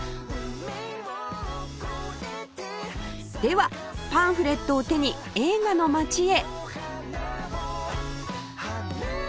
ではパンフレットを手に映画の街へ